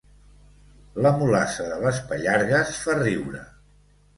La mulassa de les Pallargues fa riure